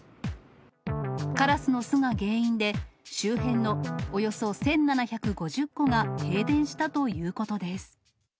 カラスの巣が原因で、周辺のおよそ１７５０戸が停電したということです。